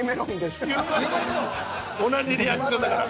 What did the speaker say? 同じリアクションだから。